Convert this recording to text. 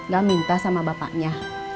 gak minta sama bapaknya